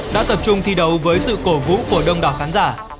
đã tập trung thi đấu với sự cổ vũ của đông đảo khán giả